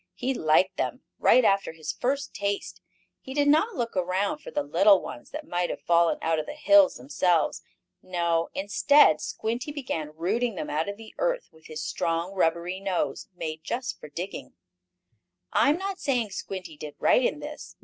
He liked them, right after his first taste. He did not look around for the little ones that might have fallen out of the hills themselves. No, instead, Squinty began rooting them out of the earth with his strong, rubbery nose, made just for digging. I am not saying Squinty did right in this.